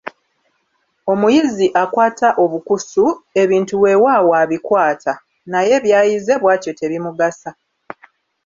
Omuyizi akwata obukusu, ebintu weewaawo abikwata, naye by'ayize bwatyo tebimugasa.